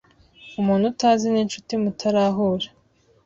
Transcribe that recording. Umuntu utazi ninshuti mutarahura.